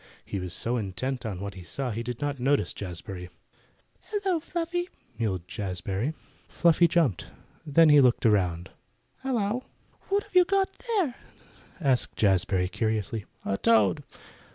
He was so intent on what he saw that he did not notice Jazbury. "Hello, Fluffy!" mewed Jazbury. Fluffy jumped. Then he looked around. "Hello!" "What you got there?" asked Jazbury curiously. "A toad."